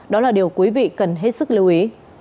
đó là điều quý vị cần hết sức lưu ý